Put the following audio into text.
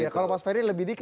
ya kalau mas ferry lebih dikit